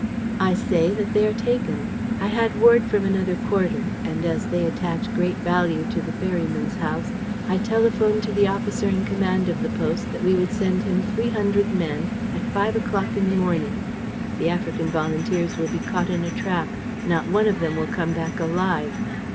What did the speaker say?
"I say, that they are taken. I had word from another quarter; and, as they attach great value to the ferryman's house, I telephoned to the officer in command of the post that we would send him three hundred men at five o'clock in the morning. The African volunteers will be caught in a trap. Not one of them will come back alive."